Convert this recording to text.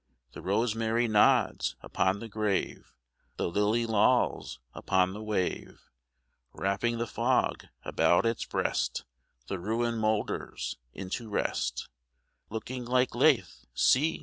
The rosemary nods upon the grave; The lily lolls upon the wave; Wrapping the fog about its breast, The ruin moulders into rest; Looking like Lethe, see!